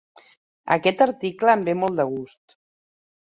Aquest article em ve molt de gust.